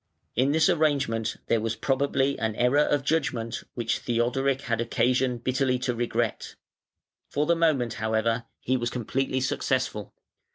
In this arrangement there was probably an error of judgment which Theodoric had occasion bitterly to regret. For the moment, however, he was completely successful.